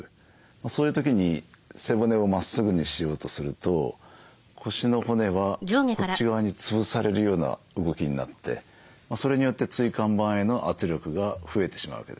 そういう時に背骨をまっすぐにしようとすると腰の骨はこっち側に潰されるような動きになってそれによって椎間板への圧力が増えてしまうわけですね。